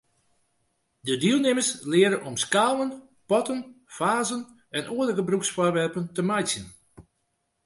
De dielnimmers leare om skalen, potten, fazen en oare gebrûksfoarwerpen te meitsjen.